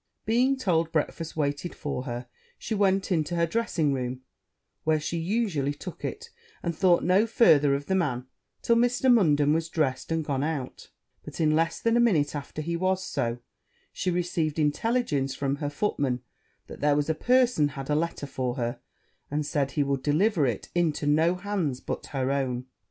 Being told breakfast waited for her, she went into her dressing room, where she usually took it, and thought no farther of the man till Mr. Munden was dressed and gone out; but in less than a minute after he was so, she received intelligence from her footman, that there was a person had a letter for her, and said he would deliver it into no hands but her own.